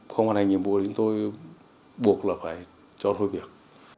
không có này nhiệm vụ thì chúng tôi buộc là phải cho thôi việc